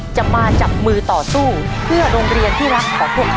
จะมาจับมือต่อสู้เพื่อโรงเรียนที่รักของพวกเรา